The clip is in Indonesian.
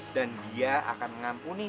dan dia akan mengampuni